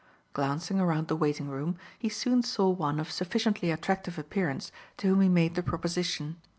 Glancing around the waiting room, he soon saw one of sufficiently attractive appearance, to whom he made the proposition.